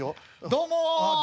どうも。